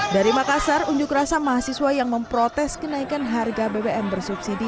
dari makassar unjuk rasa mahasiswa yang memprotes kenaikan harga bbm bersubsidi